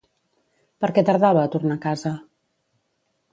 Per què tardava a tornar a casa?